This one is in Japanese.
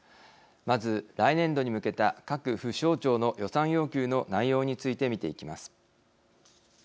まず、来年度に向けた各府省庁の予算要求の内容について見ていきます。